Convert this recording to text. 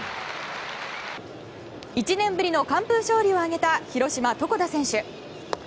１年ぶりの完封勝利を挙げた広島、床田選手。